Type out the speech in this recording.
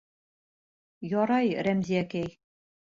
Ярай, Рәмзиәкәй.